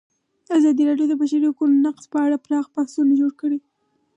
ازادي راډیو د د بشري حقونو نقض په اړه پراخ بحثونه جوړ کړي.